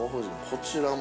こちらも◆